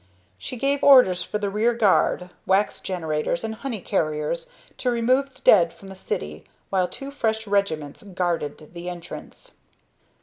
She gave orders for the rear guard, wax generators, and honey carriers to remove the dead from the city while two fresh regiments guarded the entrance.